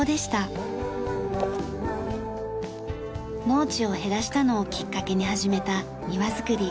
農地を減らしたのをきっかけに始めた庭造り。